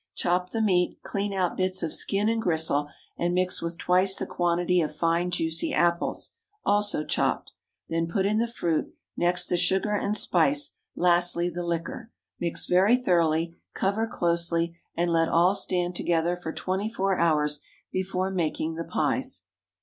Chop the meat, clean out bits of skin and gristle, and mix with twice the quantity of fine juicy apples, also chopped; then put in the fruit, next the sugar and spice, lastly the liquor. Mix very thoroughly, cover closely, and let all stand together for twenty four hours before making the pies.